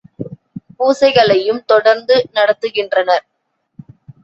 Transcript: பூசைகளையும் தொடர்ந்து நடத்துகின்றனர்.